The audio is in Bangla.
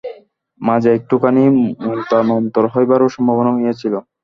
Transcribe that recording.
মাঝে একটুখানি মনান্তর হইবারও সম্ভাবনা হইয়াছিল।